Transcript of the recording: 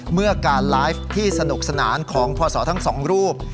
เมื่อการไลฟ์ที่สนุกสนานของพศทั้งสองรูป